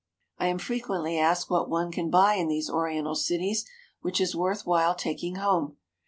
I am frequently asked what one can buy in these or iental cities which is worth while taking home.